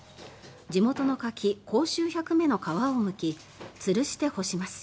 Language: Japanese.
地元の柿、甲州百目の皮をむきつるして干します。